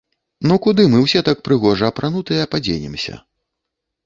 Ну куды мы ўсе так прыгожа апранутыя падзенемся???